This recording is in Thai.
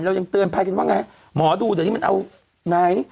ยังเตือนภัยกันว่าไงหมอดูเดี๋ยวนี้มันเอาไหน